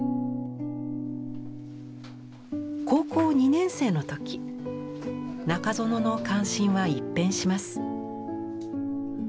高校２年生の時中園の関心は一変します。